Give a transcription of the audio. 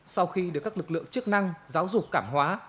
sau khi được các lực lượng chức năng giáo dục cảm hóa